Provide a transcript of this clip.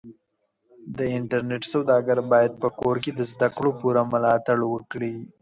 د انټرنېټ سوداګر بايد په کور کې د زدهکړو پوره ملاتړ وکړي.